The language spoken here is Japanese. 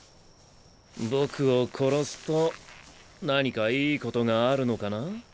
僕を殺すと何かいいことがあるのかな？